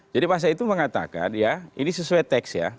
jadi masa itu mengatakan ya ini sesuai teks ya